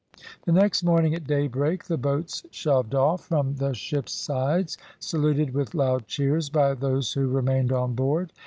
The next morning at daybreak the boats shoved off from the ships' sides, saluted with loud cheers by those who remained on board.